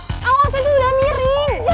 mel awas aja udah miring